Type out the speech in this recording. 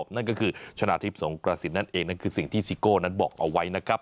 นั่นก็คือชนะทิพย์สงกระสินนั่นเองนั่นคือสิ่งที่ซิโก้นั้นบอกเอาไว้นะครับ